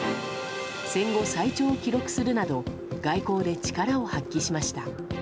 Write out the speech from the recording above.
戦後最長を記録するなど外交で力を発揮しました。